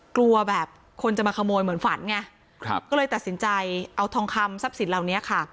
กลัวแบบคนจะมาขโมยเหมือนฝันไงก็เลยตัดสินใจเอาทองคำทรัพย์สินเหล่านี้ค่ะ